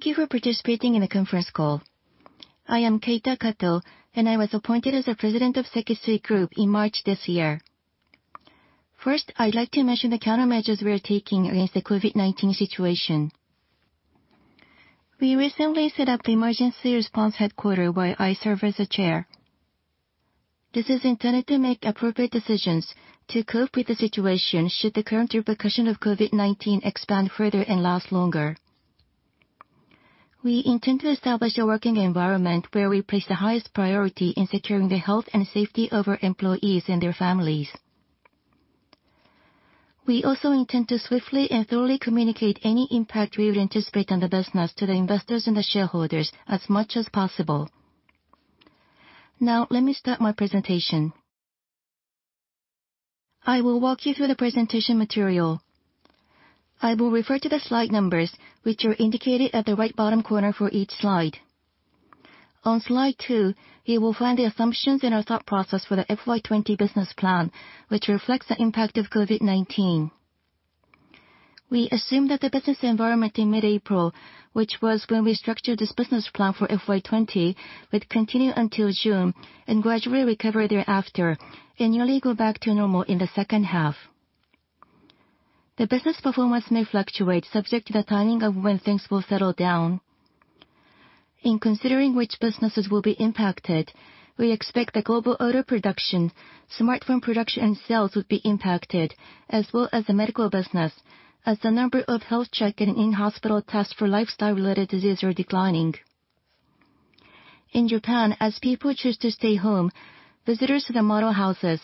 Thank you for participating in the conference call. I am Keita Kato, and I was appointed as the president of Sekisui Group in March this year. First, I'd like to mention the countermeasures we are taking against the COVID-19 situation. We recently set up emergency response headquarters where I serve as the chair. This is intended to make appropriate decisions to cope with the situation, should the current repercussion of COVID-19 expand further and last longer. We intend to establish a working environment where we place the highest priority in securing the health and safety of our employees and their families. We also intend to swiftly and thoroughly communicate any impact we would anticipate on the business to the investors and the shareholders as much as possible. Now let me start my presentation. I will walk you through the presentation material. I will refer to the slide numbers, which are indicated at the right bottom corner for each slide. On slide two, you will find the assumptions in our thought process for the FY 2020 business plan, which reflects the impact of COVID-19. We assume that the business environment in mid-April, which was when we structured this business plan for FY 2020, would continue until June and gradually recover thereafter and nearly go back to normal in the second half. The business performance may fluctuate subject to the timing of when things will settle down. In considering which businesses will be impacted, we expect the global auto production, smartphone production, and sales would be impacted, as well as the medical business, as the number of health check and in-hospital tests for lifestyle related diseases are declining. In Japan, as people choose to stay home, visitors to the model houses,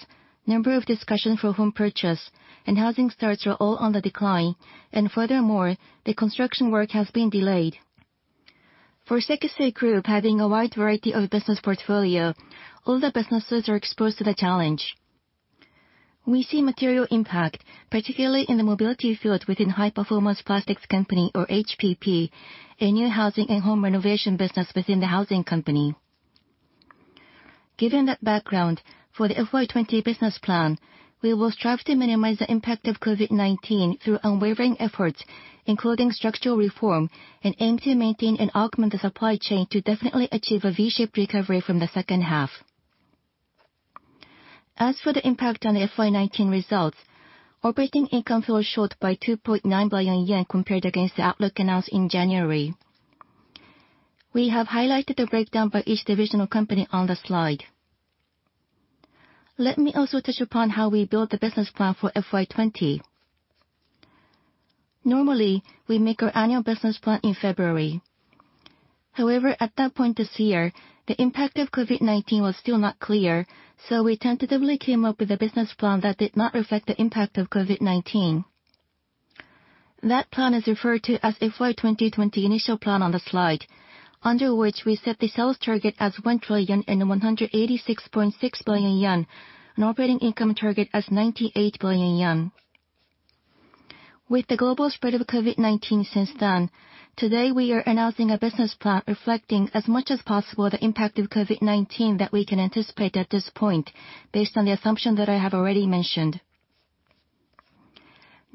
number of discussions for home purchase, and housing starts are all on the decline. Furthermore, the construction work has been delayed. For Sekisui Group, having a wide variety of business portfolio, all the businesses are exposed to the challenge. We see material impact, particularly in the mobility field within High Performance Plastics Company, or HPP, a new housing and home renovation business within the Housing Company. Given that background, for the FY 2020 business plan, we will strive to minimize the impact of COVID-19 through unwavering efforts, including structural reform, and aim to maintain and augment the supply chain to definitely achieve a V-shaped recovery from the second half. As for the impact on FY 2019 results, operating income fell short by 2.9 billion yen compared against the outlook announced in January. We have highlighted the breakdown by each divisional company on the slide. Let me also touch upon how we build the business plan for FY 2020. Normally, we make our annual business plan in February. However, at that point this year, the impact of COVID-19 was still not clear, so we tentatively came up with a business plan that did not reflect the impact of COVID-19. That plan is referred to as FY 2020 initial plan on the slide, under which we set the sales target as 1,186.6 billion yen, an operating income target as 98 billion yen. With the global spread of COVID-19 since then, today we are announcing a business plan reflecting as much as possible the impact of COVID-19 that we can anticipate at this point based on the assumption that I have already mentioned.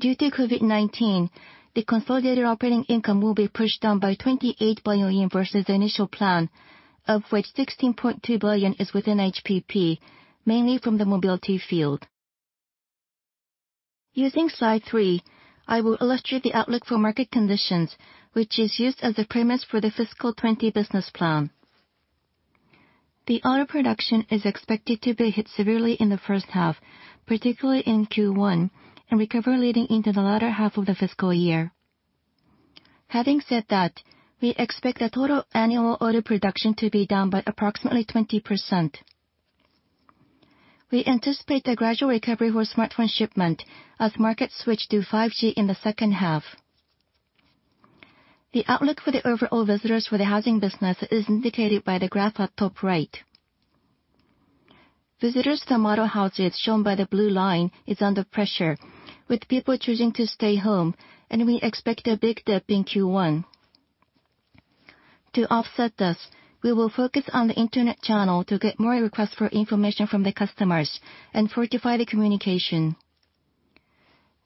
Due to COVID-19, the consolidated operating income will be pushed down by 28 billion yen versus the initial plan, of which 16.2 billion is within HPP, mainly from the mobility field. Using slide three, I will illustrate the outlook for market conditions, which is used as the premise for the FY 2020 business plan. The auto production is expected to be hit severely in the first half, particularly in Q1, and recover leading into the latter half of the fiscal year. Having said that, we expect the total annual auto production to be down by approximately 20%. We anticipate the gradual recovery for smartphone shipment as markets switch to 5G in the second half. The outlook for the overall visitors for the housing business is indicated by the graph at top right. Visitors to model houses shown by the blue line is under pressure, with people choosing to stay home, and we expect a big dip in Q1. To offset this, we will focus on the internet channel to get more requests for information from the customers and fortify the communication.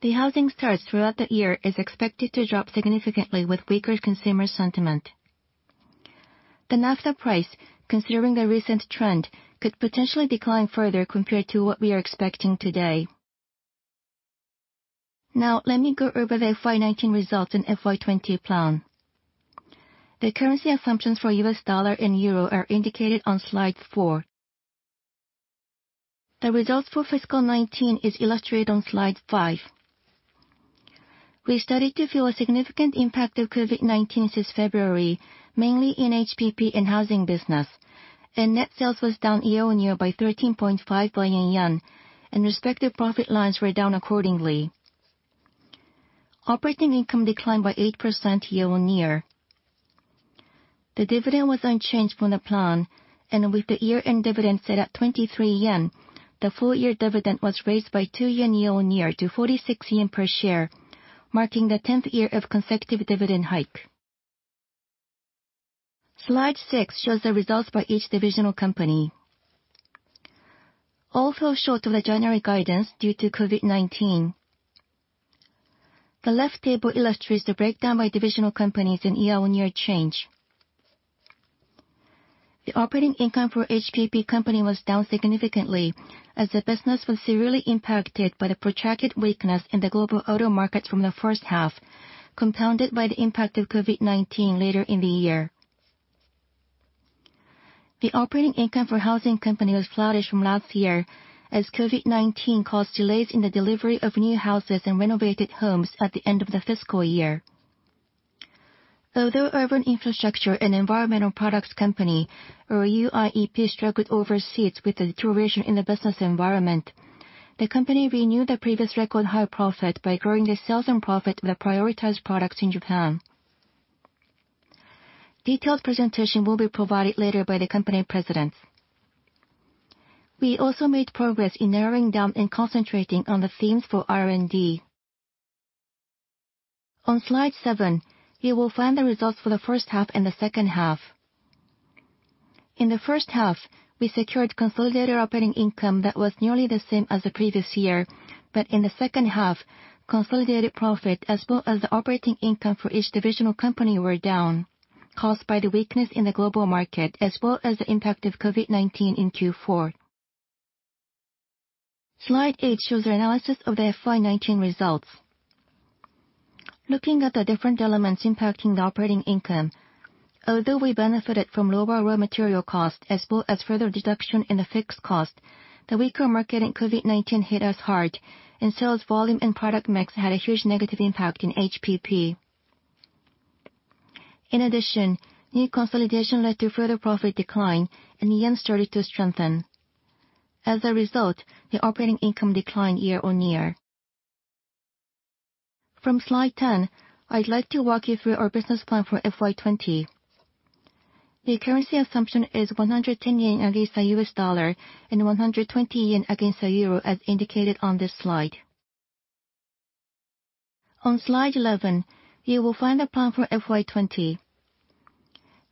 The housing starts throughout the year is expected to drop significantly with weaker consumer sentiment. The naphtha price, considering the recent trend, could potentially decline further compared to what we are expecting today. Now let me go over the FY 2019 results and FY 2020 plan. The currency assumptions for U.S. dollar and euro are indicated on slide four. The results for FY 2019 is illustrated on slide five. We started to feel a significant impact of COVID-19 since February, mainly in HPP and housing business. Net sales was down year-on-year by 13.5 billion yen. Respective profit lines were down accordingly. Operating income declined by 8% year-on-year. The dividend was unchanged from the plan. With the year-end dividend set at 23 yen, the full year dividend was raised by 2 yen year-on-year to 46 yen per share, marking the 10th year of consecutive dividend hike. Slide six shows the results by each divisional company. All fell short of the January guidance due to COVID-19. The left table illustrates the breakdown by divisional companies and year-on-year change. The operating income for HPP Company was down significantly as the business was severely impacted by the protracted weakness in the global auto markets from the first half, compounded by the impact of COVID-19 later in the year. The operating income for Housing Company was flattish from last year, as COVID-19 caused delays in the delivery of new houses and renovated homes at the end of the fiscal year. Although Urban Infrastructure & Environmental Products Company, or UIEP, struggled overseas with the deterioration in the business environment, the company renewed the previous record high profit by growing the sales and profit of the prioritized products in Japan. Detailed presentation will be provided later by the company presidents. We also made progress in narrowing down and concentrating on the themes for R&D. On slide seven, you will find the results for the first half and the second half. In the first half, we secured consolidated operating income that was nearly the same as the previous year, but in the second half, consolidated profit as well as the operating income for each divisional company were down, caused by the weakness in the global market as well as the impact of COVID-19 in Q4. Slide eight shows the analysis of the FY 2019 results. Looking at the different elements impacting the operating income, although we benefited from lower raw material cost as well as further reduction in the fixed cost, the weaker market and COVID-19 hit us hard, and sales volume and product mix had a huge negative impact in HPP. In addition, new consolidation led to further profit decline and yen started to strengthen. As a result, the operating income declined year-on-year. From slide 10, I'd like to walk you through our business plan for FY 2020. The currency assumption is 110 yen against the U.S. dollar and 120 yen against the EUR as indicated on this slide. On slide 11, you will find the plan for FY 2020.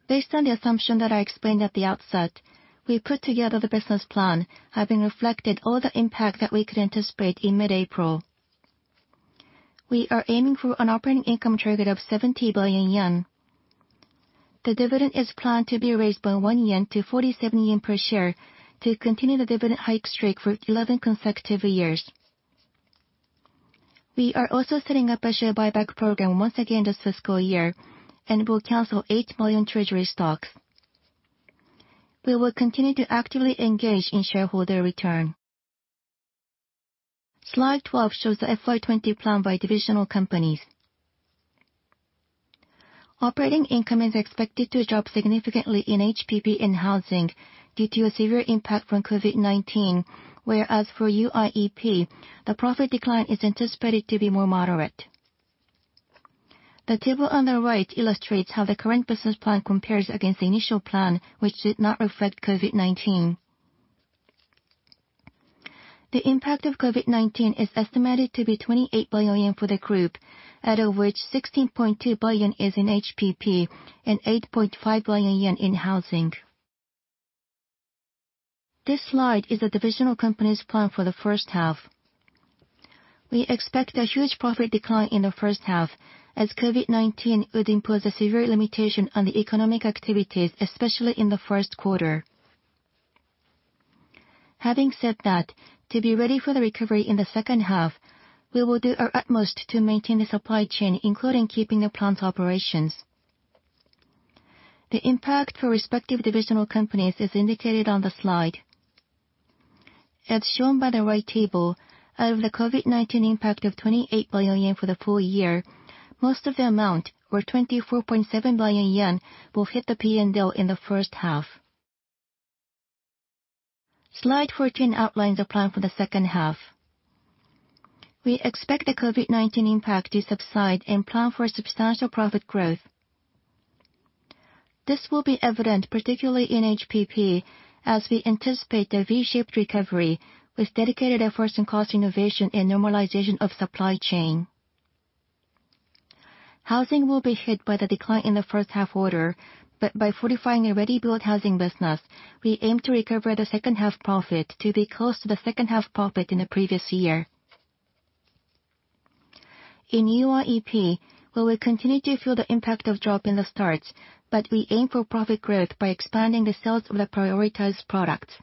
Based on the assumption that I explained at the outset, we put together the business plan, having reflected all the impact that we could anticipate in mid-April. We are aiming for an operating income target of 70 billion yen. The dividend is planned to be raised by 1 yen to 47 yen per share to continue the dividend hike streak for 11 consecutive years. We are also setting up a share buyback program once again this fiscal year and will cancel 8 million treasury stocks. We will continue to actively engage in shareholder return. Slide 12 shows the FY 2020 plan by divisional companies. Operating income is expected to drop significantly in HPP and housing due to a severe impact from COVID-19, whereas for UIEP, the profit decline is anticipated to be more moderate. The table on the right illustrates how the current business plan compares against the initial plan, which did not reflect COVID-19. The impact of COVID-19 is estimated to be 28 billion yen for the group, out of which 16.2 billion is in HPP and 8.5 billion yen in housing. This slide is the divisional company's plan for the first half. We expect a huge profit decline in the first half as COVID-19 would impose a severe limitation on the economic activities, especially in the first quarter. Having said that, to be ready for the recovery in the second half, we will do our utmost to maintain the supply chain, including keeping the plant's operations. The impact for respective divisional companies is indicated on the slide. As shown by the right table, out of the COVID-19 impact of 28 billion yen for the full year, most of the amount, or 24.7 billion yen, will hit the P&L in the first half. Slide 14 outlines the plan for the second half. We expect the COVID-19 impact to subside and plan for substantial profit growth. This will be evident particularly in HPP as we anticipate a V-shaped recovery with dedicated efforts in cost innovation and normalization of supply chain. Housing will be hit by the decline in the first half order, but by fortifying a ready-built housing business, we aim to recover the second half profit to be close to the second half profit in the previous year. In UIEP, we will continue to feel the impact of drop in the starts, but we aim for profit growth by expanding the sales of the prioritized products.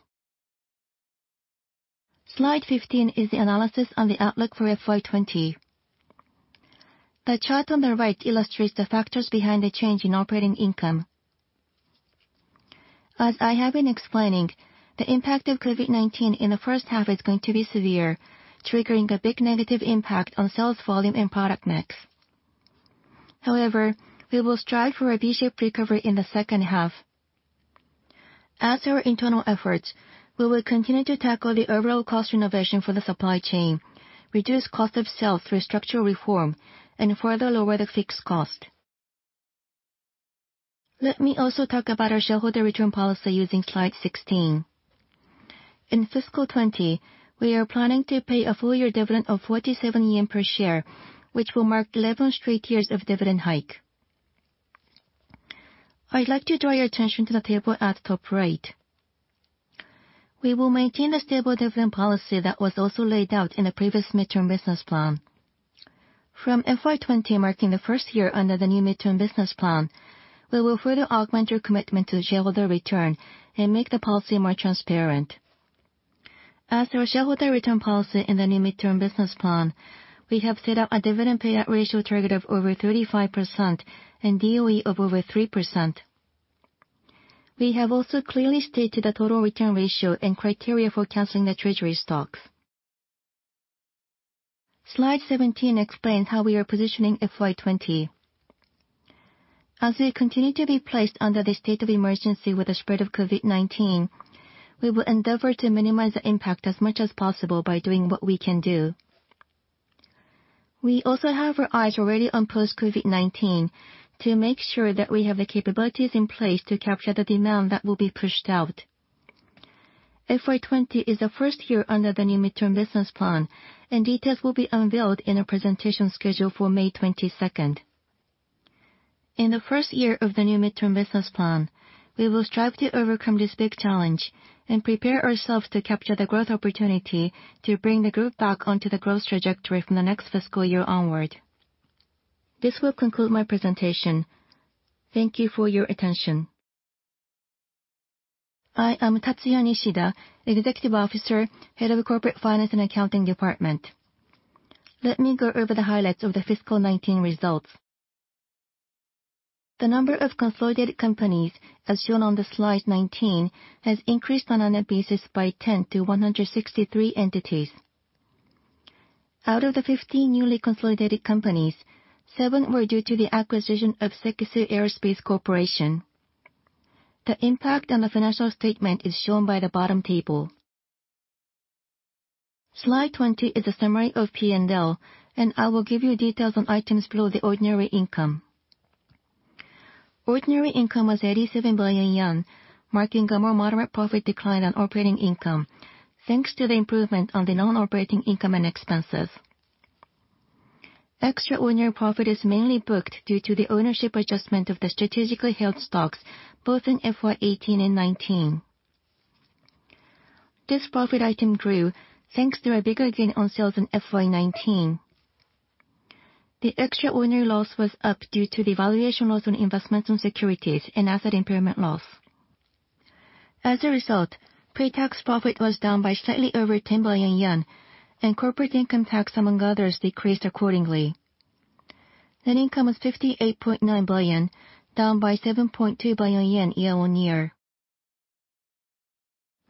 Slide 15 is the analysis on the outlook for FY 2020. The chart on the right illustrates the factors behind the change in operating income. As I have been explaining, the impact of COVID-19 in the first half is going to be severe, triggering a big negative impact on sales volume and product mix. We will strive for a V-shaped recovery in the second half. As our internal efforts, we will continue to tackle the overall cost innovation for the supply chain, reduce cost of sale through structural reform, and further lower the fixed cost. Let me also talk about our shareholder return policy using slide 16. In fiscal 2020, we are planning to pay a full year dividend of 47 yen per share, which will mark 11 straight years of dividend hike. I'd like to draw your attention to the table at the top right. We will maintain a stable dividend policy that was also laid out in the previous midterm business plan. From FY 2020, marking the first year under the new midterm business plan, we will further augment our commitment to shareholder return and make the policy more transparent. As our shareholder return policy in the new midterm business plan, we have set up a dividend payout ratio target of over 35% and DOE of over 3%. We have also clearly stated the total return ratio and criteria for canceling the treasury stocks. Slide 17 explains how we are positioning FY 2020. As we continue to be placed under the state of emergency with the spread of COVID-19, we will endeavor to minimize the impact as much as possible by doing what we can do. We also have our eyes already on post-COVID-19 to make sure that we have the capabilities in place to capture the demand that will be pushed out. FY 2020 is the first year under the new midterm business plan, and details will be unveiled in a presentation scheduled for May 22nd. In the first year of the new midterm business plan, we will strive to overcome this big challenge and prepare ourselves to capture the growth opportunity to bring the group back onto the growth trajectory from the next fiscal year onward. This will conclude my presentation. Thank you for your attention. I am Tatsuya Nishida, Executive Officer, Head of the Corporate Finance and Accounting Department. Let me go over the highlights of the fiscal 19 results. The number of consolidated companies, as shown on the slide 19, has increased on an FBE basis by 10 to 163 entities. Out of the 15 newly consolidated companies, seven were due to the acquisition of Sekisui Aerospace Corporation. The impact on the financial statement is shown by the bottom table. Slide 20 is a summary of P&L, and I will give you details on items below the ordinary income. Ordinary income was 87 billion yen, marking a more moderate profit decline on operating income, thanks to the improvement on the non-operating income and expenses. Extraordinary profit is mainly booked due to the ownership adjustment of the strategically held stocks, both in FY 2018 and 2019. This profit item grew thanks to a bigger gain on sales in FY 2019. The extraordinary loss was up due to the valuation loss on investments on securities and asset impairment loss. Pretax profit was down by slightly over 10 billion yen and corporate income tax, among others, decreased accordingly. Net income was 58.9 billion, down by 7.2 billion yen year-on-year.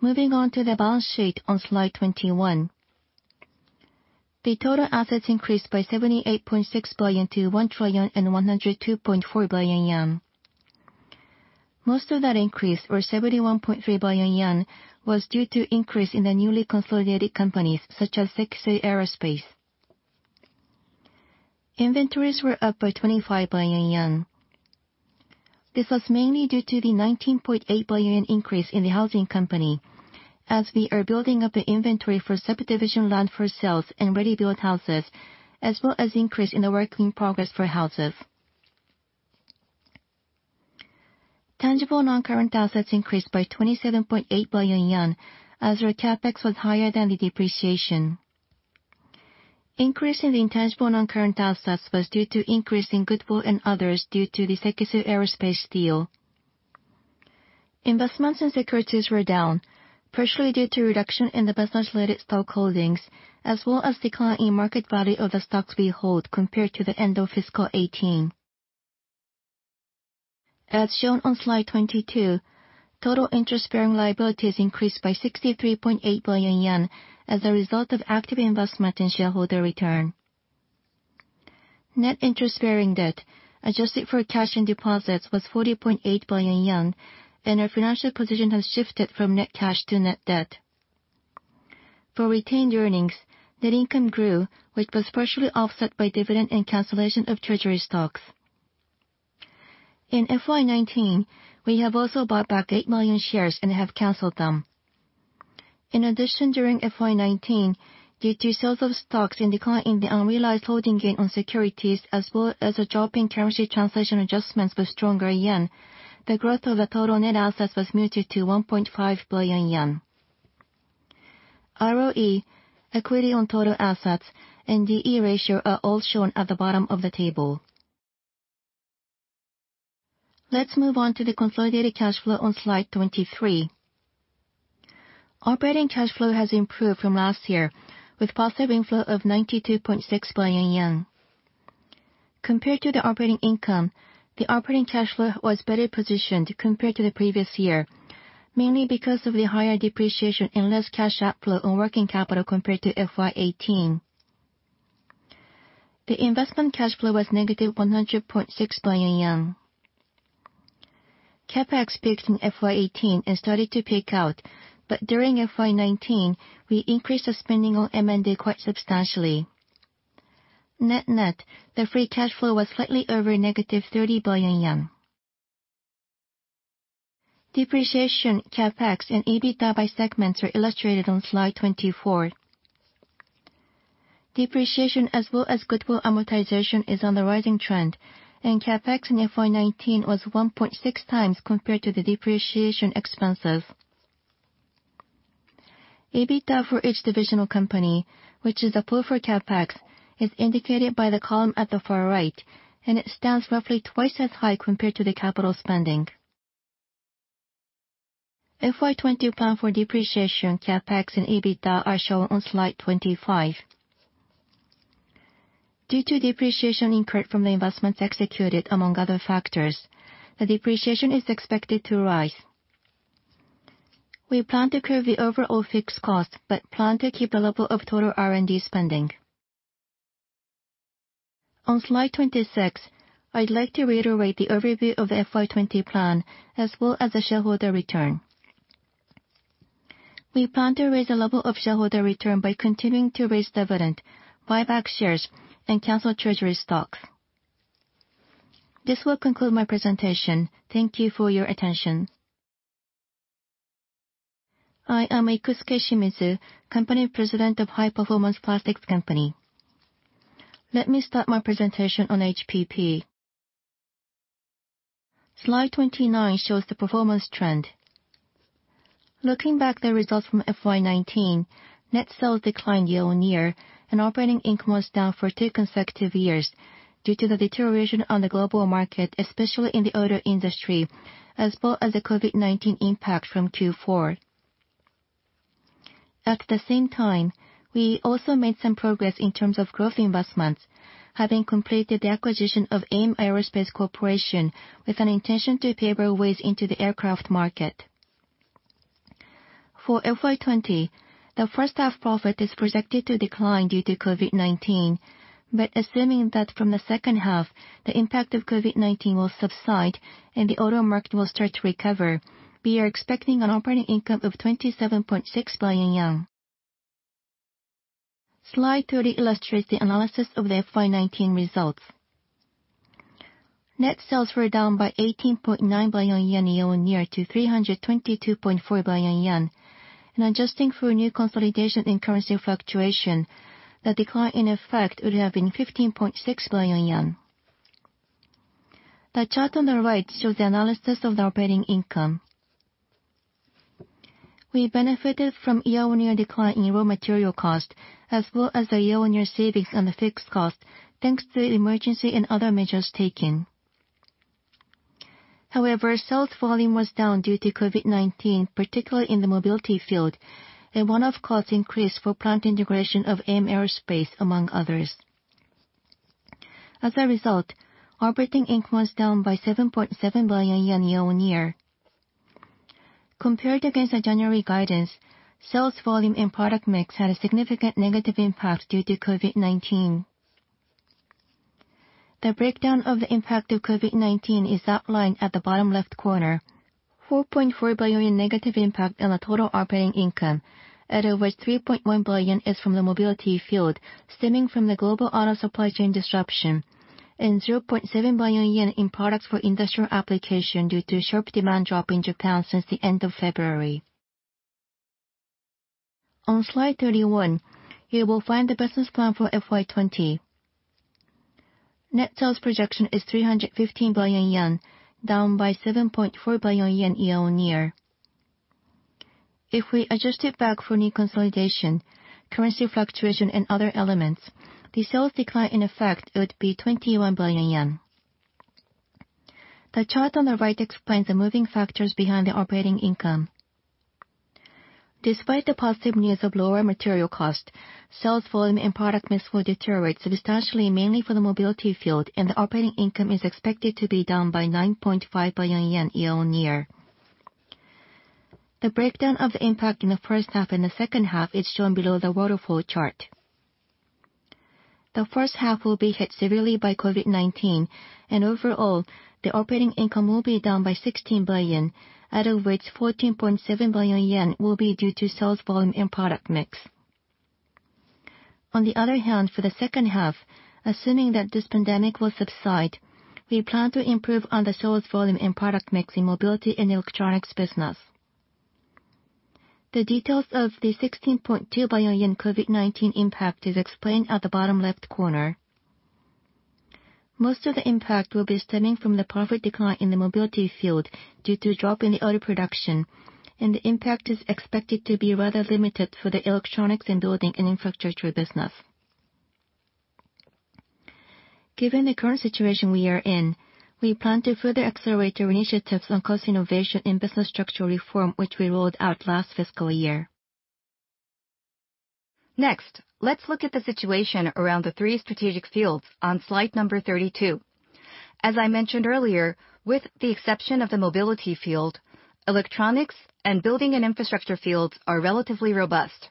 Moving on to the balance sheet on slide 21. Total assets increased by 78.6 billion to 1,102.4 billion yen. Most of that increase, or 71.3 billion yen, was due to increase in the newly consolidated companies such as Sekisui Aerospace. Inventories were up by 25 billion yen. This was mainly due to the 19.8 billion increase in the Housing Company as we are building up the inventory for subdivision land for sales and ready-built houses, as well as increase in the work in progress for houses. Tangible non-current assets increased by 27.8 billion yen as our CapEx was higher than the depreciation. Increase in the intangible non-current assets was due to increase in goodwill and others due to the Sekisui Aerospace deal. Investments in securities were down, partially due to reduction in the business-related stock holdings, as well as decline in market value of the stocks we hold compared to the end of FY 2018. As shown on slide 22, total interest-bearing liabilities increased by 63.8 billion yen as a result of active investment in shareholder return. Net interest-bearing debt, adjusted for cash and deposits, was 40.8 billion yen, and our financial position has shifted from net cash to net debt. For retained earnings, net income grew, which was partially offset by dividend and cancellation of treasury stocks. In FY 2019, we have also bought back 8 million shares and have canceled them. During FY 2019, due to sales of stocks and decline in the unrealized holding gain on securities, as well as a drop in currency translation adjustments with stronger yen, the growth of the total net assets was muted to 1.5 billion yen. ROE, equity on total assets, and the D/E ratio are all shown at the bottom of the table. Let's move on to the consolidated cash flow on slide 23. Operating cash flow has improved from last year with positive inflow of 92.6 billion yen. Compared to the operating income, the operating cash flow was better positioned compared to the previous year, mainly because of the higher depreciation and less cash outflow on working capital compared to FY 2018. The investment cash flow was negative 100.6 billion yen. CapEx peaked in FY 2018 and started to peak out, during FY 2019, we increased the spending on M&A quite substantially. Net-net, the free cash flow was slightly over negative 30 billion yen. Depreciation, CapEx, and EBITDA by segments are illustrated on slide 24. Depreciation, as well as goodwill amortization, is on the rising trend, and CapEx in FY 2019 was 1.6x compared to the depreciation expenses. EBITDA for each divisional company, which is a pull for CapEx, is indicated by the column at the far right, and it stands roughly twice as high compared to the capital spending. FY 2020 plan for depreciation, CapEx, and EBITDA are shown on slide 25. Due to depreciation incurred from the investments executed, among other factors, the depreciation is expected to rise. We plan to curb the overall fixed cost but plan to keep the level of total R&D spending. On slide 26, I'd like to reiterate the overview of the FY 2020 plan as well as the shareholder return. We plan to raise the level of shareholder return by continuing to raise dividend, buy back shares, and cancel treasury stock. This will conclude my presentation. Thank you for your attention. I am Ikusuke Shimizu, company president of High Performance Plastics Company. Let me start my presentation on HPP. Slide 29 shows the performance trend. Looking back the results from FY 2019, net sales declined year-on-year, and operating income was down for two consecutive years due to the deterioration on the global market, especially in the auto industry, as well as the COVID-19 impact from Q4. At the same time, we also made some progress in terms of growth investments, having completed the acquisition of AIM Aerospace Corporation with an intention to pave our ways into the aircraft market. For FY 2020, the first half profit is projected to decline due to COVID-19. Assuming that from the second half, the impact of COVID-19 will subside and the auto market will start to recover, we are expecting an operating income of 27.6 billion yen. Slide 30 illustrates the analysis of the FY 2019 results. Net sales were down by 18.9 billion yen year-on-year to 322.4 billion yen. Adjusting for new consolidation and currency fluctuation, the decline in effect would have been 15.6 billion yen. The chart on the right shows the analysis of the operating income. We benefited from year-on-year decline in raw material cost, as well as the year-on-year savings on the fixed cost, thanks to the emergency and other measures taken. However, sales volume was down due to COVID-19, particularly in the mobility field, and one-off costs increased for plant integration of AIM Aerospace, among others. As a result, operating income was down by 7.7 billion yen year-on-year. Compared against the January guidance, sales volume and product mix had a significant negative impact due to COVID-19. The breakdown of the impact of COVID-19 is outlined at the bottom left corner. 4.4 billion negative impact on the total operating income, out of which 3.1 billion is from the mobility field, stemming from the global auto supply chain disruption, and 0.7 billion yen in products for industrial application due to sharp demand drop in Japan since the end of February. On slide 31, you will find the business plan for FY 2020. Net sales projection is 315 billion yen, down by 7.4 billion yen year-on-year. If we adjusted back for new consolidation, currency fluctuation, and other elements, the sales decline in effect would be 21 billion yen. The chart on the right explains the moving factors behind the operating income. Despite the positive news of lower material cost, sales volume and product mix will deteriorate substantially, mainly for the mobility field, and the operating income is expected to be down by 9.5 billion yen year-over-year. The breakdown of the impact in the first half and the second half is shown below the waterfall chart. The first half will be hit severely by COVID-19, and overall, the operating income will be down by 16 billion, out of which 4.7 billion yen will be due to sales volume and product mix. On the other hand, for the second half, assuming that this pandemic will subside, we plan to improve on the sales volume and product mix in mobility and electronics business. The details of the 16.2 billion yen COVID-19 impact is explained at the bottom left corner. Most of the impact will be stemming from the profit decline in the mobility field due to drop in the auto production. The impact is expected to be rather limited for the electronics and building and infrastructure business. Given the current situation we are in, we plan to further accelerate our initiatives on cost innovation and business structural reform, which we rolled out last fiscal year. Let's look at the situation around the three strategic fields on slide number 32. As I mentioned earlier, with the exception of the mobility field, electronics and building and infrastructure fields are relatively robust.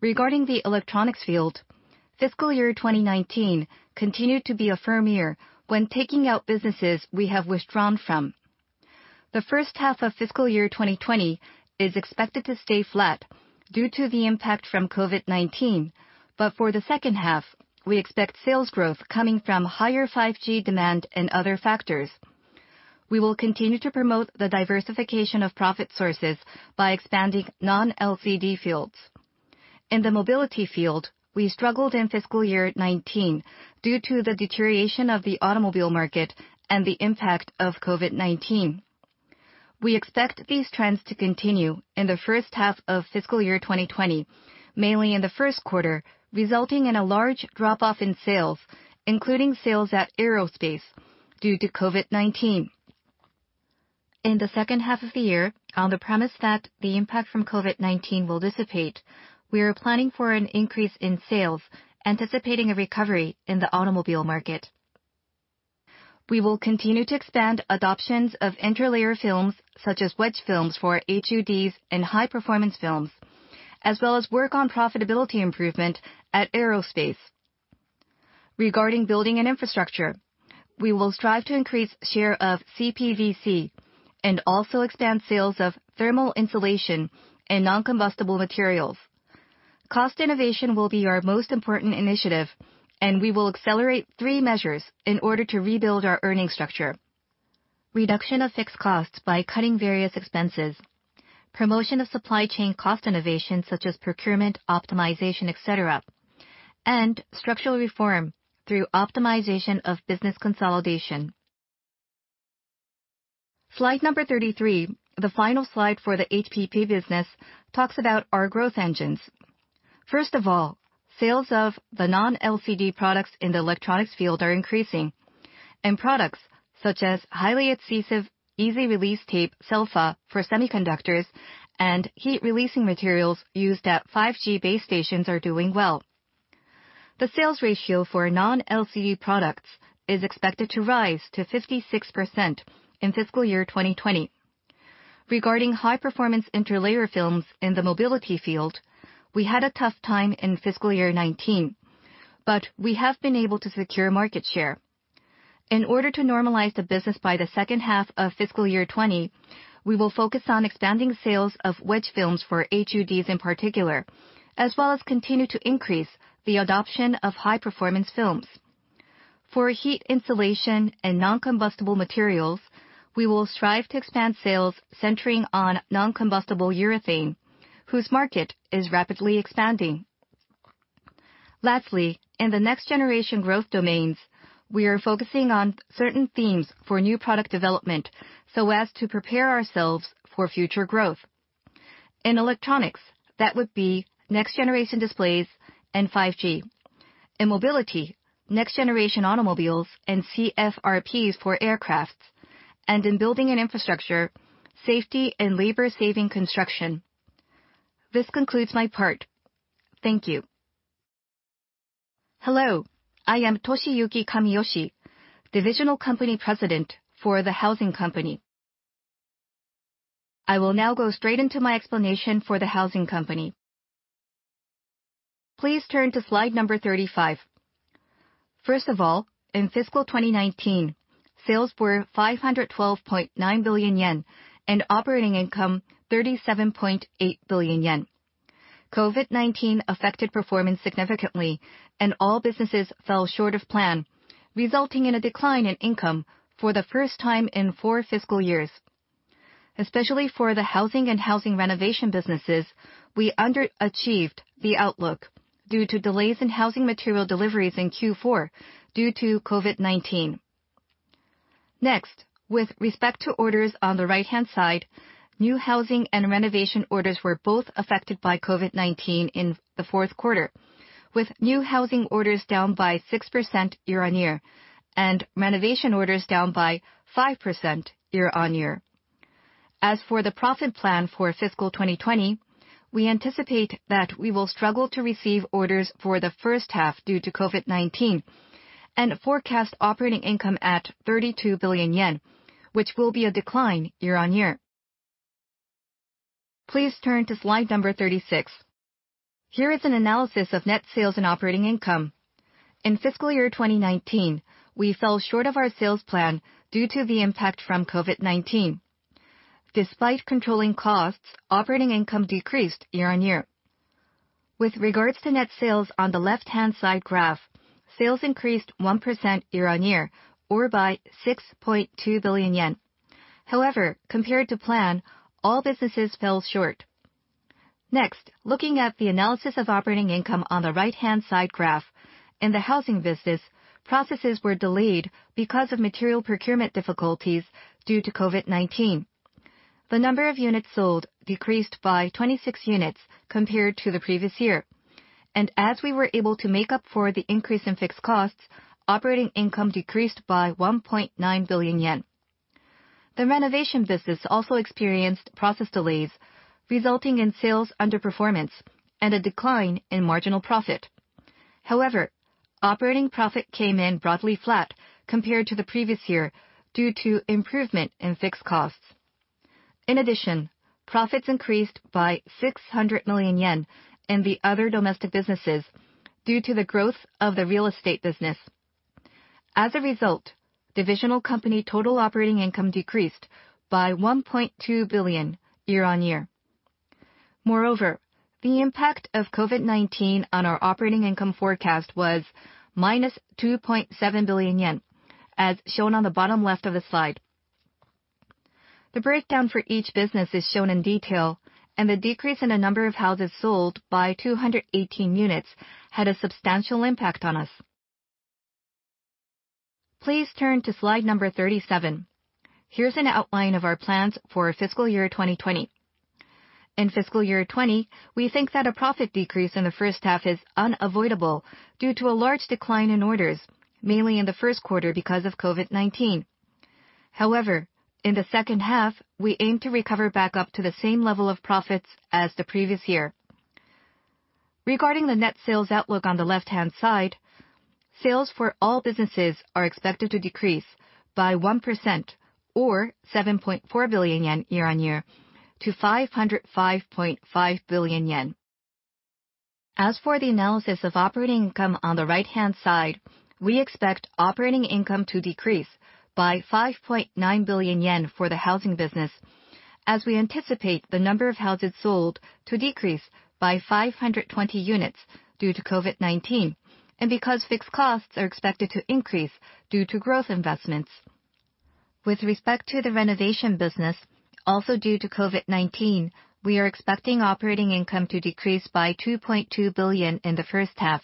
Regarding the electronics field, fiscal year 2019 continued to be a firm year when taking out businesses we have withdrawn from. The first half of fiscal year 2020 is expected to stay flat due to the impact from COVID-19. For the second half, we expect sales growth coming from higher 5G demand and other factors. We will continue to promote the diversification of profit sources by expanding non-LCD fields. In the mobility field, we struggled in FY 2019 due to the deterioration of the automobile market and the impact of COVID-19. We expect these trends to continue in the first half of FY 2020, mainly in the first quarter, resulting in a large drop-off in sales, including sales at aerospace due to COVID-19. In the second half of the year, on the premise that the impact from COVID-19 will dissipate, we are planning for an increase in sales, anticipating a recovery in the automobile market. We will continue to expand adoptions of interlayer film, such as wedge films for HUDs and high-performance films, as well as work on profitability improvement at aerospace. Regarding building and infrastructure, we will strive to increase share of CPVC and also expand sales of thermal insulation and non-combustible materials. Cost innovation will be our most important initiative. We will accelerate three measures in order to rebuild our earning structure. Reduction of fixed costs by cutting various expenses, promotion of supply chain cost innovation such as procurement, optimization, et cetera, and structural reform through optimization of business consolidation. Slide number 33, the final slide for the HPP business, talks about our growth engines. Sales of the non-LCD products in the electronics field are increasing. Products such as highly adhesive, easy release tape, SELFA, for semiconductors and heat-releasing materials used at 5G base stations are doing well. The sales ratio for non-LCD products is expected to rise to 56% in fiscal year 2020. Regarding high-performance interlayer film in the mobility field, we had a tough time in fiscal year 2019, but we have been able to secure market share. In order to normalize the business by the second half of fiscal year 2020, we will focus on expanding sales of wedge films for HUDs in particular, as well as continue to increase the adoption of high-performance films. For heat insulation and non-combustible materials, we will strive to expand sales centering on non-combustible polyurethane, whose market is rapidly expanding. Lastly, in the next-generation growth domains, we are focusing on certain themes for new product development so as to prepare ourselves for future growth. In electronics, that would be next-generation displays and 5G. In mobility, next-generation automobiles and CFRPs for aircraft, and in building an infrastructure, safety and labor-saving construction. This concludes my part. Thank you. Hello, I am Toshiyuki Kamiyoshi, divisional company president for the Housing Company. I will now go straight into my explanation for the Housing Company. Please turn to slide number 35. First of all, in FY 2019, sales were 512.9 billion yen and operating income 37.8 billion yen. COVID-19 affected performance significantly and all businesses fell short of plan, resulting in a decline in income for the first time in four fiscal years. Especially for the Housing and housing renovation businesses, we underachieved the outlook due to delays in housing material deliveries in Q4, due to COVID-19. Next, with respect to orders on the right-hand side, new housing and renovation orders were both affected by COVID-19 in the fourth quarter, with new housing orders down by 6% year-on-year and renovation orders down by 5% year-on-year. As for the profit plan for fiscal 2020, we anticipate that we will struggle to receive orders for the first half due to COVID-19 and forecast operating income at 32 billion yen, which will be a decline year-on-year. Please turn to slide number 36. Here is an analysis of net sales and operating income. In fiscal year 2019, we fell short of our sales plan due to the impact from COVID-19. Despite controlling costs, operating income decreased year-on-year. With regards to net sales on the left-hand side graph, sales increased 1% year-on-year or by 6.2 billion yen. Compared to plan, all businesses fell short. Looking at the analysis of operating income on the right-hand side graph, in the housing business, processes were delayed because of material procurement difficulties due to COVID-19. The number of units sold decreased by 26 units compared to the previous year. As we were able to make up for the increase in fixed costs, operating income decreased by 1.9 billion yen. The renovation business also experienced process delays, resulting in sales underperformance and a decline in marginal profit. However, operating profit came in broadly flat compared to the previous year due to improvement in fixed costs. In addition, profits increased by 600 million yen in the other domestic businesses due to the growth of the real estate business. Divisional company total operating income decreased by 1.2 billion year-on-year. The impact of COVID-19 on our operating income forecast was minus 2.7 billion yen, as shown on the bottom left of the slide. The breakdown for each business is shown in detail, and the decrease in the number of houses sold by 218 units had a substantial impact on us. Please turn to slide number 37. Here's an outline of our plans for FY 2020. In FY 2020, we think that a profit decrease in the first half is unavoidable due to a large decline in orders, mainly in the first quarter because of COVID-19. In the second half, we aim to recover back up to the same level of profits as the previous year. Regarding the net sales outlook on the left-hand side, sales for all businesses are expected to decrease by 1% or 7.4 billion yen year-over-year to 505.5 billion yen. As for the analysis of operating income on the right-hand side, we expect operating income to decrease by 5.9 billion yen for the Housing Company, as we anticipate the number of houses sold to decrease by 520 units due to COVID-19, and because fixed costs are expected to increase due to growth investments. With respect to the renovation business, also due to COVID-19, we are expecting operating income to decrease by 2.2 billion in the first half.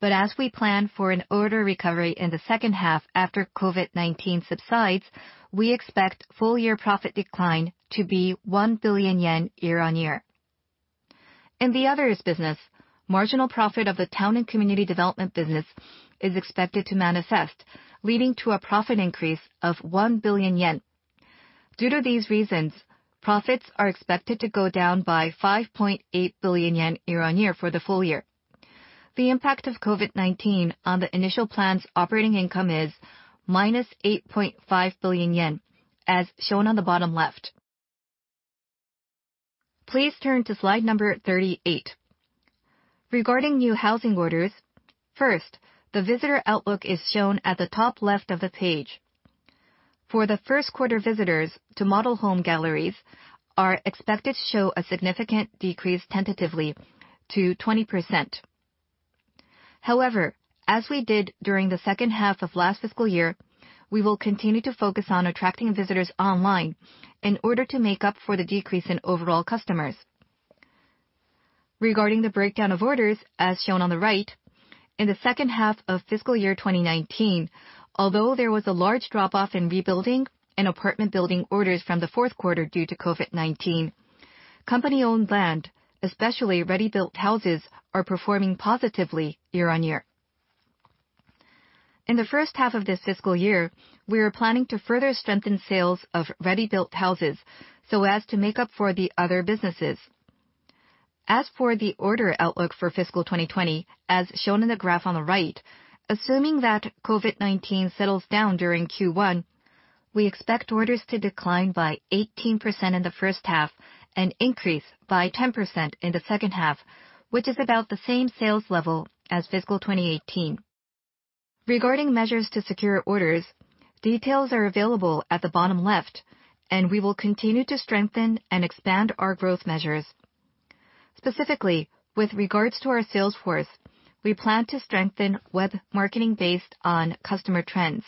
As we plan for an order recovery in the second half after COVID-19 subsides, we expect full year profit decline to be 1 billion yen year-on-year. In the others business, marginal profit of the town and community development business is expected to manifest, leading to a profit increase of 1 billion yen. Due to these reasons, profits are expected to go down by 5.8 billion yen year-on-year for the full year. The impact of COVID-19 on the initial plan's operating income is minus 8.5 billion yen, as shown on the bottom left. Please turn to slide number 38. Regarding new housing orders, first, the visitor outlook is shown at the top left of the page. For the first quarter, visitors to model home galleries are expected to show a significant decrease tentatively to 20%. However, as we did during the second half of last fiscal year, we will continue to focus on attracting visitors online in order to make up for the decrease in overall customers. Regarding the breakdown of orders, as shown on the right, in the second half of fiscal year 2019, although there was a large drop-off in rebuilding and apartment building orders from the fourth quarter due to COVID-19, company-owned land, especially ready-built houses, are performing positively year-on-year. In the first half of this fiscal year, we are planning to further strengthen sales of ready-built houses so as to make up for the other businesses. As for the order outlook for fiscal 2020, as shown in the graph on the right, assuming that COVID-19 settles down during Q1, we expect orders to decline by 18% in the first half and increase by 10% in the second half, which is about the same sales level as fiscal 2018. Regarding measures to secure orders, details are available at the bottom left, and we will continue to strengthen and expand our growth measures. Specifically, with regards to our sales force, we plan to strengthen web marketing based on customer trends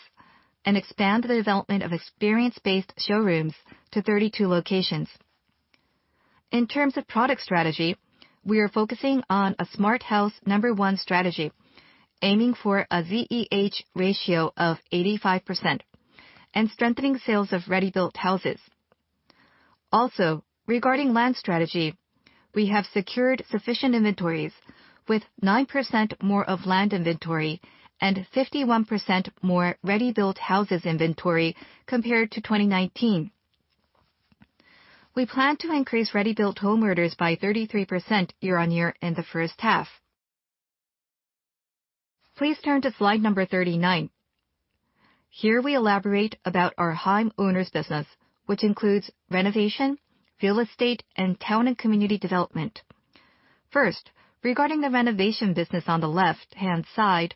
and expand the development of experience-based showrooms to 32 locations. In terms of product strategy, we are focusing on a Smart Heim Number One strategy, aiming for a ZEH ratio of 85% and strengthening sales of ready-built houses. Also, regarding land strategy, we have secured sufficient inventories with 9% more of land inventory and 51% more ready-built houses inventory compared to 2019. We plan to increase ready-built home orders by 33% year-on-year in the first half. Please turn to slide number 39. Here we elaborate about our homeowner's business, which includes renovation, real estate, and town and community development. First, regarding the renovation business on the left-hand side,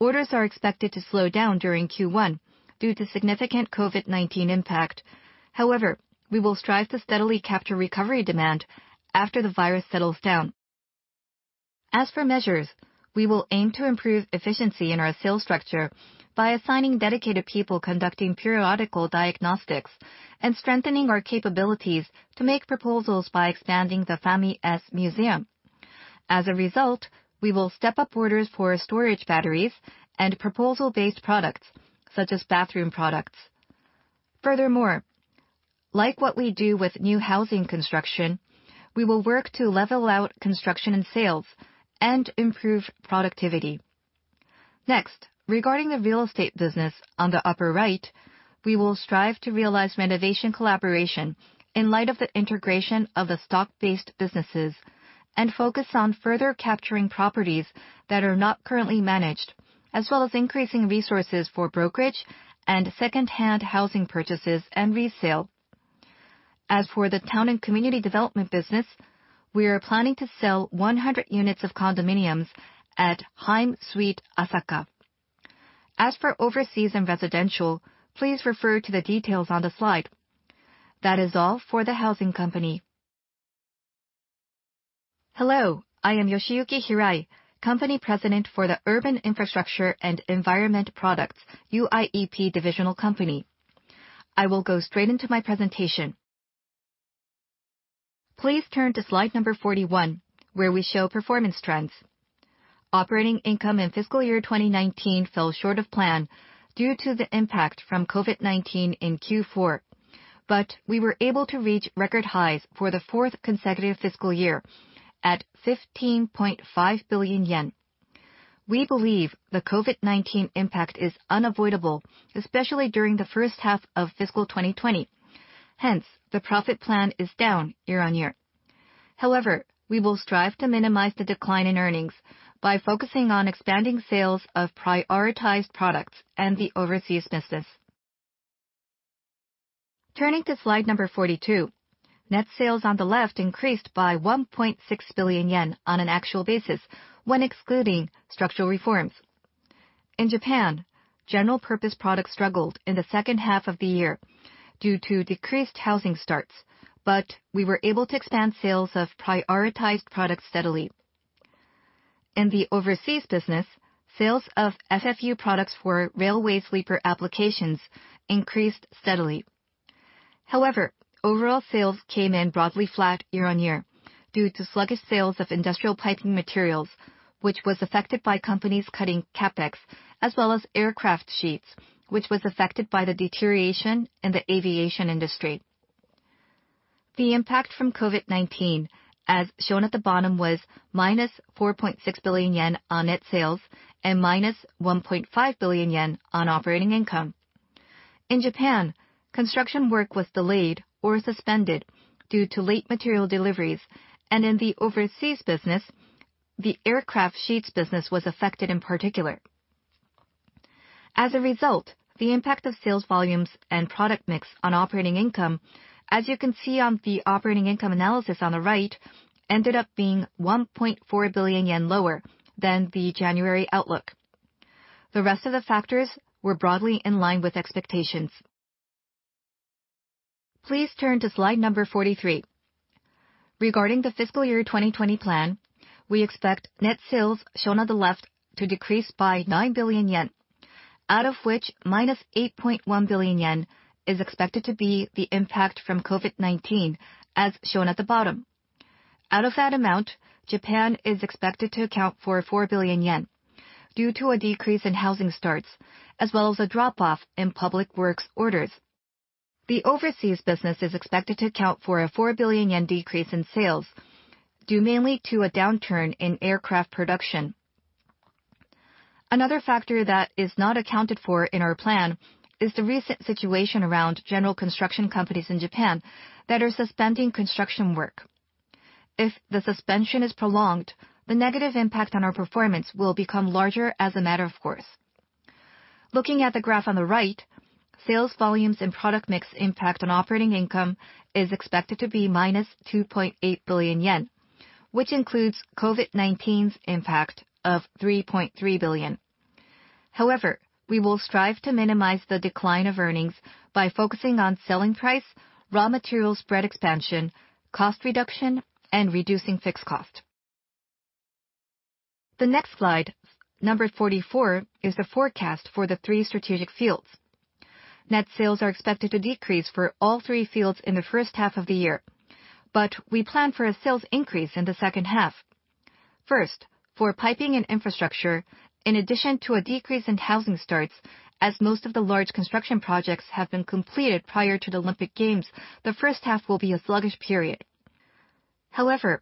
orders are expected to slow down during Q1 due to significant COVID-19 impact. However, we will strive to steadily capture recovery demand after the virus settles down. As for measures, we will aim to improve efficiency in our sales structure by assigning dedicated people conducting periodical diagnostics and strengthening our capabilities to make proposals by expanding the FAIMES Museum. As a result, we will step up orders for storage batteries and proposal-based products such as bathroom products. Furthermore, like what we do with new housing construction, we will work to level out construction and sales and improve productivity. Next, regarding the real estate business on the upper right, we will strive to realize renovation collaboration in light of the integration of the stock-based businesses and focus on further capturing properties that are not currently managed, as well as increasing resources for brokerage and second-hand housing purchases and resale. As for the town and community development business, we are planning to sell 100 units of condominiums at Heim Suite Asaka. As for overseas and residential, please refer to the details on the slide. That is all for the Housing Company. Hello, I am Yoshiyuki Hirai, Company President for the Urban Infrastructure & Environmental Products, UIEP divisional company. I will go straight into my presentation. Please turn to slide number 41, where we show performance trends. Operating income in fiscal year 2019 fell short of plan due to the impact from COVID-19 in Q4, but we were able to reach record highs for the fourth consecutive fiscal year at 15.5 billion yen. We believe the COVID-19 impact is unavoidable, especially during the first half of fiscal 2020. Hence, the profit plan is down year-on-year. However, we will strive to minimize the decline in earnings by focusing on expanding sales of prioritized products and the overseas business. Turning to slide number 42. Net sales on the left increased by 1.6 billion yen on an actual basis when excluding structural reforms. In Japan, general purpose products struggled in the second half of the year due to decreased housing starts, but we were able to expand sales of prioritized products steadily. In the overseas business, sales of FFU products for railway sleeper applications increased steadily. However, overall sales came in broadly flat year-on-year due to sluggish sales of industrial piping materials, which was affected by companies cutting CapEx, as well as aircraft sheets, which was affected by the deterioration in the aviation industry. The impact from COVID-19, as shown at the bottom, was -4.6 billion yen on net sales and -1.5 billion yen on operating income. In Japan, construction work was delayed or suspended due to late material deliveries, and in the overseas business, the aircraft sheets business was affected in particular. As a result, the impact of sales volumes and product mix on operating income, as you can see on the operating income analysis on the right, ended up being 1.4 billion yen lower than the January outlook. The rest of the factors were broadly in line with expectations. Please turn to slide number 43. Regarding the FY 2020 plan, we expect net sales, shown on the left, to decrease by 9 billion yen, out of which -8.1 billion yen is expected to be the impact from COVID-19, as shown at the bottom. Out of that amount, Japan is expected to account for 4 billion yen due to a decrease in housing starts as well as a drop-off in public works orders. The overseas business is expected to account for a 4 billion yen decrease in sales, due mainly to a downturn in aircraft production. Another factor that is not accounted for in our plan is the recent situation around general construction companies in Japan that are suspending construction work. If the suspension is prolonged, the negative impact on our performance will become larger as a matter of course. Looking at the graph on the right, sales volumes and product mix impact on operating income is expected to be -2.8 billion yen, which includes COVID-19's impact of 3.3 billion. However, we will strive to minimize the decline of earnings by focusing on selling price, raw material spread expansion, cost reduction, and reducing fixed cost. The next slide 44 is the forecast for the three strategic fields. Net sales are expected to decrease for all three fields in the first half of the year. We plan for a sales increase in the second half. First, for piping and infrastructure, in addition to a decrease in housing starts, as most of the large construction projects have been completed prior to the Olympic Games, the first half will be a sluggish period. However,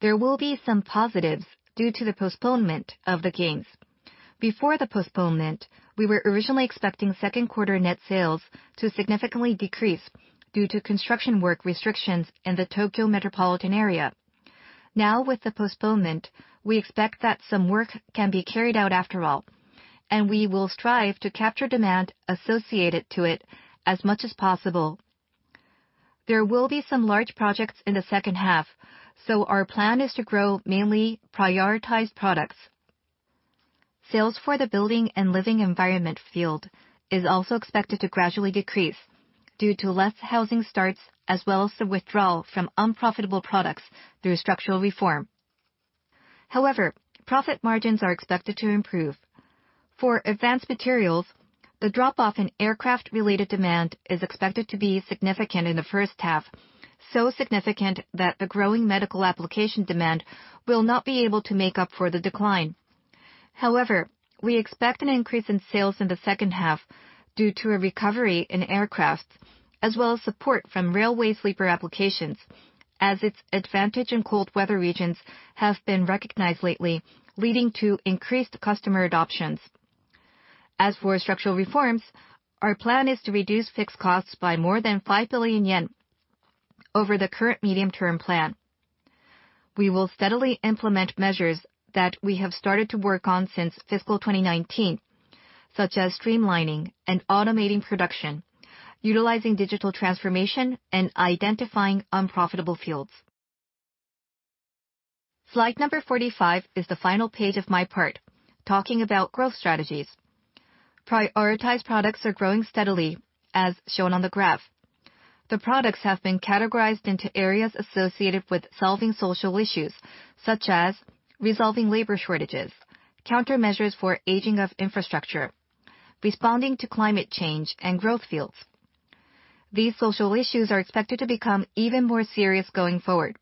there will be some positives due to the postponement of the games. Before the postponement, we were originally expecting second quarter net sales to significantly decrease due to construction work restrictions in the Tokyo metropolitan area. Now, with the postponement, we expect that some work can be carried out after all, and we will strive to capture demand associated to it as much as possible. There will be some large projects in the second half, so our plan is to grow mainly prioritized products. Sales for the building and living environment field is also expected to gradually decrease due to less housing starts, as well as the withdrawal from unprofitable products through structural reform. However, profit margins are expected to improve. For advanced materials, the drop-off in aircraft-related demand is expected to be significant in the first half, so significant that the growing medical application demand will not be able to make up for the decline. However, we expect an increase in sales in the second half due to a recovery in aircraft, as well as support from railway sleeper applications, as its advantage in cold weather regions has been recognized lately, leading to increased customer adoptions. As for structural reforms, our plan is to reduce fixed costs by more than 5 billion yen over the current medium-term plan. We will steadily implement measures that we have started to work on since fiscal 2019, such as streamlining and automating production, utilizing digital transformation, and identifying unprofitable fields. Slide number 45 is the final page of my part, talking about growth strategies. Prioritized products are growing steadily, as shown on the graph. The products have been categorized into areas associated with solving social issues, such as resolving labor shortages, countermeasures for aging of infrastructure, responding to climate change, and growth fields. These social issues are expected to become even more serious going forward.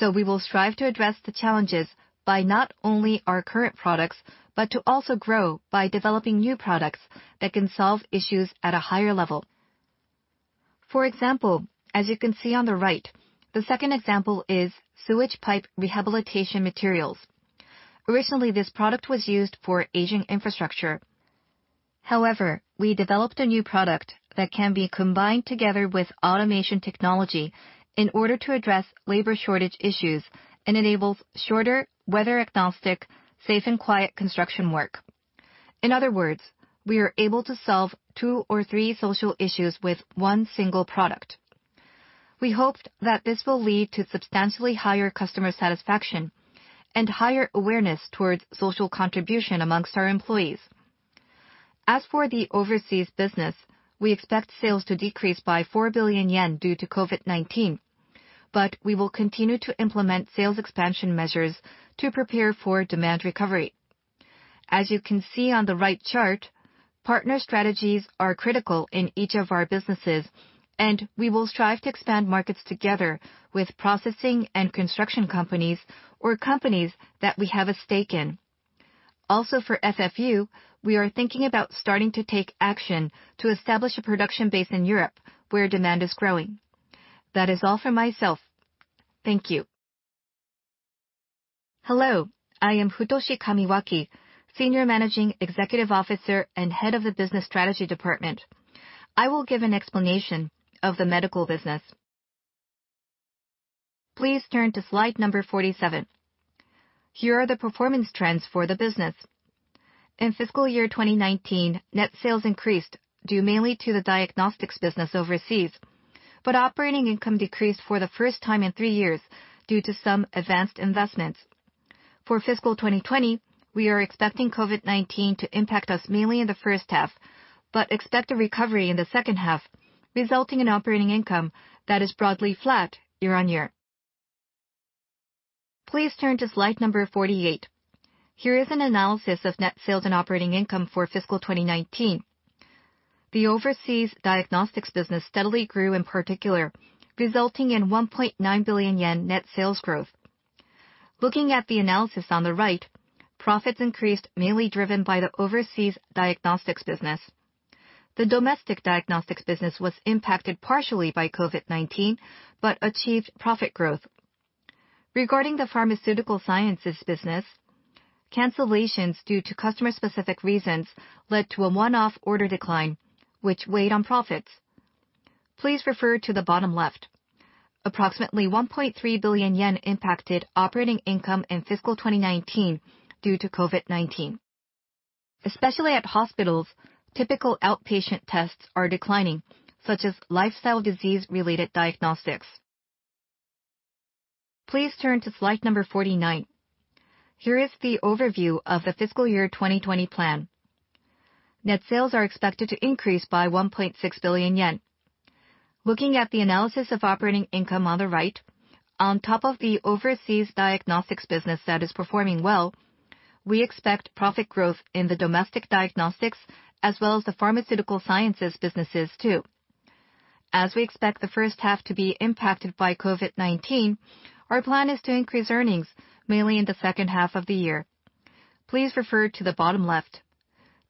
We will strive to address the challenges by not only our current products, but to also grow by developing new products that can solve issues at a higher level. For example, as you can see on the right, the second example is sewage pipe rehabilitation materials. Originally, this product was used for aging infrastructure. However, we developed a new product that can be combined together with automation technology in order to address labor shortage issues and enables shorter, weather agnostic, safe, and quiet construction work. In other words, we are able to solve two or three social issues with one single product. We hoped that this will lead to substantially higher customer satisfaction and higher awareness towards social contribution amongst our employees. As for the overseas business, we expect sales to decrease by 4 billion yen due to COVID-19. We will continue to implement sales expansion measures to prepare for demand recovery. As you can see on the right chart, partner strategies are critical in each of our businesses. We will strive to expand markets together with processing and construction companies or companies that we have a stake in. For FFU, we are thinking about starting to take action to establish a production base in Europe where demand is growing. That is all for myself. Thank you. Hello, I am Futoshi Kamiwaki, Senior Managing Executive Officer and Head of the Business Strategy Department. I will give an explanation of the medical business. Please turn to slide number 47. Here are the performance trends for the business. In fiscal year 2019, net sales increased due mainly to the diagnostics business overseas, but operating income decreased for the first time in three years due to some advanced investments. For fiscal 2020, we are expecting COVID-19 to impact us mainly in the first half, but expect a recovery in the second half, resulting in operating income that is broadly flat year on year. Please turn to slide number 48. Here is an analysis of net sales and operating income for fiscal 2019. The overseas diagnostics business steadily grew in particular, resulting in 1.9 billion yen net sales growth. Looking at the analysis on the right, profits increased mainly driven by the overseas diagnostics business. The domestic diagnostics business was impacted partially by COVID-19, but achieved profit growth. Regarding the pharmaceutical sciences business, cancellations due to customer specific reasons led to a one-off order decline, which weighed on profits. Please refer to the bottom left. Approximately 1.3 billion yen impacted operating income in fiscal 2019 due to COVID-19. Especially at hospitals, typical outpatient tests are declining, such as lifestyle disease related diagnostics. Please turn to slide number 49. Here is the overview of the fiscal year 2020 plan. Net sales are expected to increase by 1.6 billion yen. Looking at the analysis of operating income on the right, on top of the overseas diagnostics business that is performing well, we expect profit growth in the domestic diagnostics as well as the pharmaceutical sciences businesses too. We expect the first half to be impacted by COVID-19, our plan is to increase earnings mainly in the second half of the year. Please refer to the bottom left.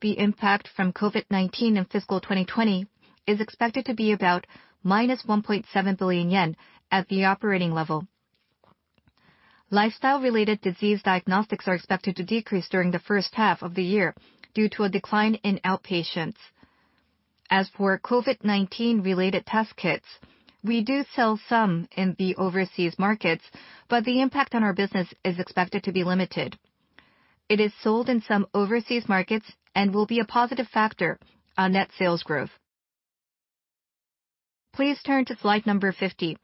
The impact from COVID-19 in fiscal 2020 is expected to be about minus 1.7 billion yen at the operating level. Lifestyle related disease diagnostics are expected to decrease during the first half of the year due to a decline in outpatients. As for COVID-19 related test kits, we do sell some in the overseas markets, but the impact on our business is expected to be limited. It is sold in some overseas markets and will be a positive factor on net sales growth. Please turn to slide number 50.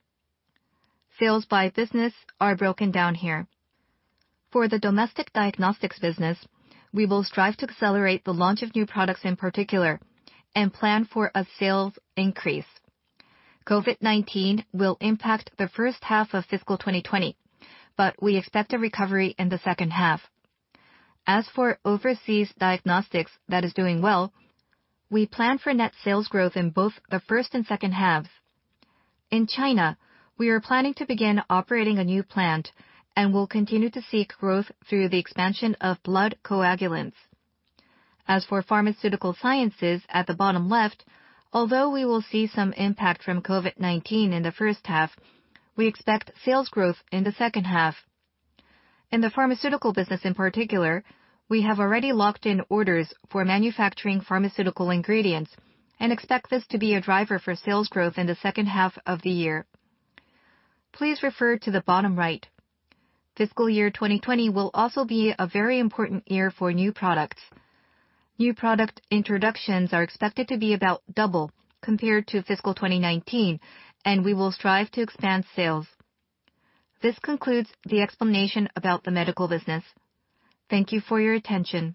Sales by business are broken down here. For the domestic diagnostics business, we will strive to accelerate the launch of new products in particular and plan for a sales increase. COVID-19 will impact the first half of fiscal 2020, but we expect a recovery in the second half. As for overseas diagnostics that is doing well, we plan for net sales growth in both the first and second halves. In China, we are planning to begin operating a new plant and will continue to seek growth through the expansion of blood coagulation. As for pharmaceutical sciences at the bottom left, although we will see some impact from COVID-19 in the first half, we expect sales growth in the second half. In the pharmaceutical business in particular, we have already locked in orders for manufacturing pharmaceutical ingredients and expect this to be a driver for sales growth in the second half of the year. Please refer to the bottom right. Fiscal year 2020 will also be a very important year for new products. New product introductions are expected to be about double compared to fiscal 2019, and we will strive to expand sales. This concludes the explanation about the medical business. Thank you for your attention.